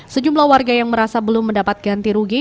sejumlah warga yang merasa belum mendapat ganti rugi